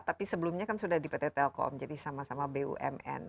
tapi sebelumnya kan sudah di pt telkom jadi sama sama bumn